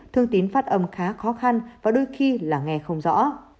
thương tín phát âm khá khó khăn và đôi khi là nghe không rõ